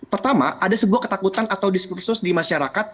pertama ada sebuah ketakutan atau diskursus di masyarakat